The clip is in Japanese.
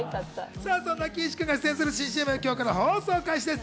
岸君が出演する新ＣＭ、今日から放送開始です。